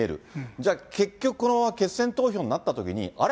じゃあ、結局このまま決選投票になったときに、あれ？